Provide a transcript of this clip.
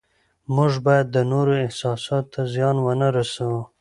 موږ باید د نورو احساساتو ته زیان ونه رسوو